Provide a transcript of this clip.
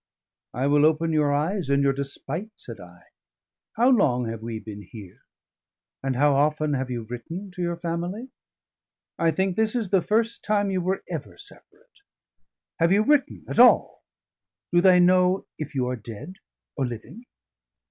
"I will open your eyes in your despite," said I. "How long have we been here? and how often have you written to your family? I think this is the first time you were ever separate: have you written at all? Do they know if you are dead or living?"